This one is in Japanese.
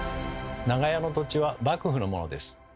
長屋の土地は幕府のものです。